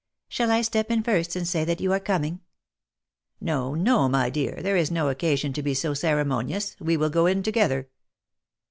Shall I step in first and say that you are coming ?"" No, no, my dear, there is no occasion to be so ceremonious, we will go in together."